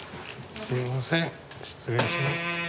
すみません失礼します。